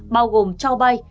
bao gồm cho bay